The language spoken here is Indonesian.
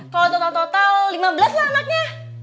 kalau total total lima belas lah anaknya